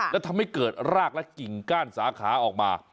และทำให้เกิดรากและกิ่งก้านสาขาออกมา